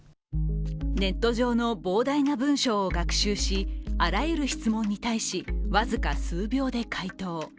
ネット上の膨大な文章を学習しあらゆる質問に対し、僅か数秒で回答。